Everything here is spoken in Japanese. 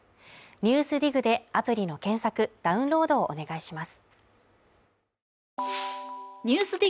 「ＮＥＷＳＤＩＧ」でアプリの検索、ダウンロードをお願いします。